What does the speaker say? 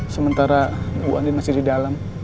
sementara bu ani masih di dalam